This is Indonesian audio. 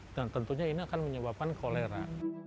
dan tentunya ini akan menyebabkan kolera